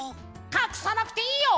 かくさなくていいよ！